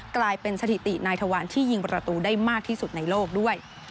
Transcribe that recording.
กลายเป็นสถิตินายถวันที่ยิงประตูได้มากที่สุดในโลกด้วย